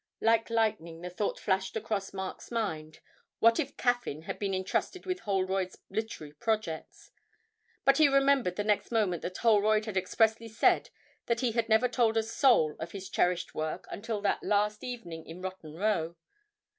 Like lightning the thought flashed across Mark's mind, what if Caffyn had been entrusted with Holroyd's literary projects? But he remembered the next moment that Holroyd had expressly said that he had never told a soul of his cherished work until that last evening in Rotten Row.